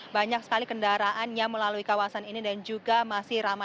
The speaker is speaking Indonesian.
banyak sekali kendaraan yang melalui kawasan ini dan juga masih ramai